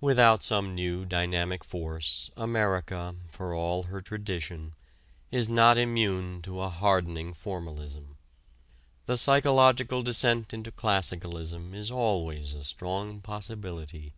Without some new dynamic force America, for all her tradition, is not immune to a hardening formalism. The psychological descent into classicalism is always a strong possibility.